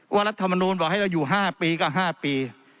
รัฐมนูลบอกให้เราอยู่๕ปีก็๕ปี